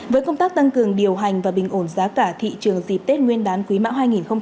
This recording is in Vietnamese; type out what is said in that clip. với công tác tăng cường điều hành và bình ổn giá cả thị trường dịp tết nguyên đán quý mão hai nghìn hai mươi bốn